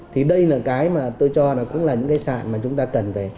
thì đây là cái mà tôi cho là cũng là những cái sàn mà chúng ta cần về